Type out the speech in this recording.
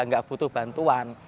nggak butuh bantuan